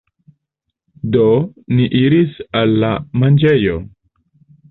Do, ni iris al la manĝejo.